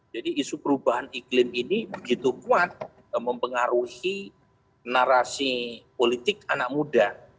jadi isu perubahan iklim ini begitu kuat mempengaruhi narasi politik anak muda